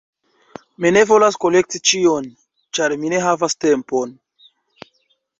Mi ne volas kolekti ĉion, ĉar mi ne havas tempon.